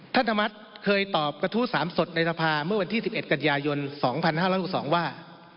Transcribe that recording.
ท่านธรรมัสเคยตอบกระทู้สามสดในทภาพเมื่อวันที่สิบเอ็ดกันยายนสองพันห้าร้อยสิบสองว่า